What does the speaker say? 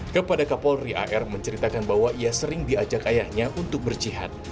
kepada kapolri ar menceritakan bahwa ia sering diajak ayahnya untuk berjihad